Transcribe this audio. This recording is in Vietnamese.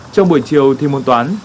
trong buổi chiều thi môn toán